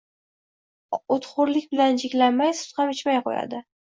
Oʻtxoʻrlik bilan cheklanmay, sut ham ichmay qoʻyadi